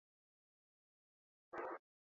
Saria urrezko domina eta esku-dirua dira.